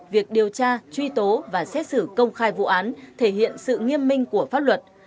bản án thể hiện sự nghiêm minh của pháp luật